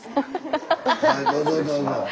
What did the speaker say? はいどうぞどうぞ。